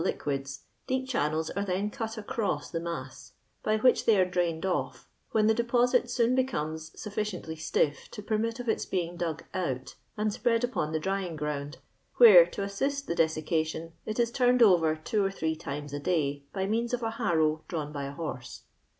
liquids, deep channels are then cut across the mac^ by which they are drained ofT, when the deposit soon becomes sufficiently stiff to permit of its being dti^ out and spread upon the drying'grouud, whm to assist tho desiccation, it is turned over two or thret; times a day by moans of a harrow drawn bv a horse